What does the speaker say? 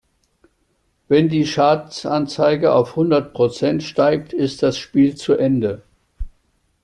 Wenn die Schadensanzeige auf hundert Prozent steigt, ist das Spiel zu Ende.